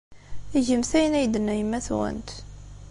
Gemt ayen ay d-tenna yemma-twent.